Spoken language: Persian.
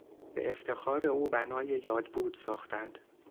به افتخار او بنای یادبود ساختند.